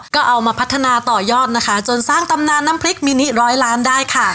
ก็เอามาพัฒนาต่อยอดนะคะจนสร้างตำนานน้ำพริกมินิร้อยล้านได้ค่ะ